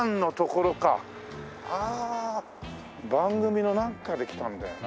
番組のなんかで来たんだよな。